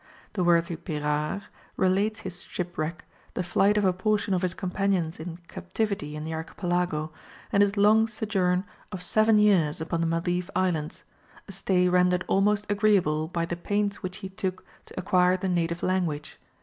The worthy Pyrard relates his shipwreck, the flight of a portion of his companions in captivity in the archipelago, and his long sojourn of seven years upon the Maldive Islands, a stay rendered almost agreeable by the pains which he took to acquire the native language.